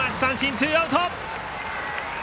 ツーアウト。